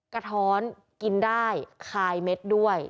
กระท้อนกินได้คายเม็ดด้วย